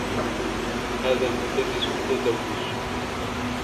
هذا المدرّس متزوّج.